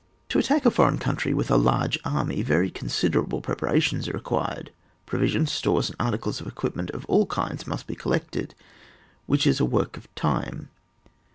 To attack a foreign country with a large army, very considerable prepara tions are required. Provisions, stores, and articles of equipment of ail kinds must be collected, which is a work of time.